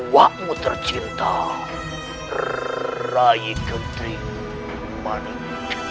wakmu tercinta rai kedri manik